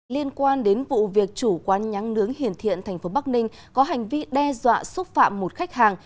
liên quan đến vụ việc chủ quán nhắn nướng hiền thiện tp bắc ninh có hành vi đe dọa xúc phạm một khách hàng